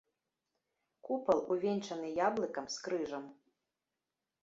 Купал увенчаны яблыкам з крыжам.